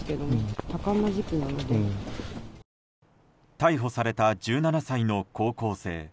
逮捕された１７歳の高校生。